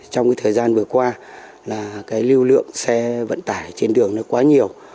trong thời gian vừa qua lưu lượng xe vận tải trên đường quá nhiều